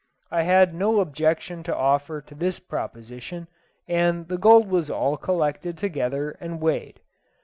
I had no objection to offer to this proposition, and the gold was all collected together and weighed.